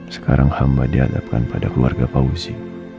sekarang hamba dihadapkan pada keluarga fauzi